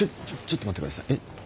ちょっちょっと待ってください。